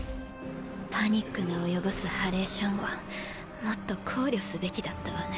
パニックが及ぼすハレーションをもっと考慮すべきだったわね。